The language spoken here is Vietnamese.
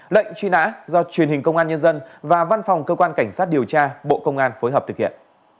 lệnh truy nã do truyền hình công an nhân dân và văn phòng cơ quan cảnh sát điều tra bộ công an phối hợp thực hiện